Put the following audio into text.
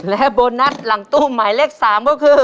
และโบนัสหลังตู้หมายเลข๓ก็คือ